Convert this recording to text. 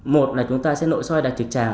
một là chúng ta sẽ nội soi đại trực tràng